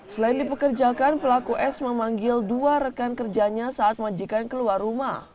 selain dipekerjakan pelaku s memanggil dua rekan kerjanya saat majikan keluar rumah